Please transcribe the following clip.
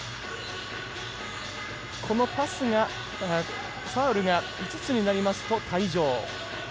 このファウルが５つになりますと退場。